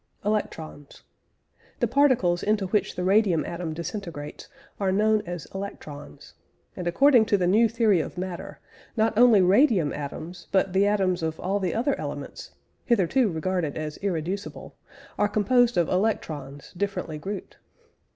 ELECTRONS. The particles into which the radium atom disintegrates are known as electrons. And according to the new theory of matter, not only radium atoms, but the atoms of all the other elements (hitherto regarded as irreducible) are composed of electrons, differently grouped.